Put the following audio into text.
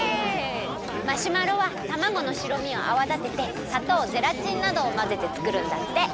マシュマロはたまごの白身をあわだててさとうゼラチンなどをまぜてつくるんだって。